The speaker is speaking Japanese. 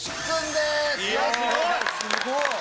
すごい！